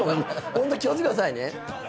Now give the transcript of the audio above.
ホント気を付けてくださいね。